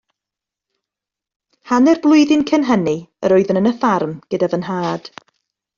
Hanner blwyddyn cyn hynny, yr oeddwn yn y ffarm gyda fy nhad.